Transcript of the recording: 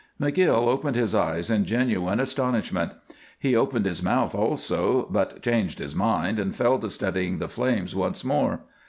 McGill opened his eyes in genuine astonishment. He opened his mouth also, but changed his mind and fell to studying the flames once more.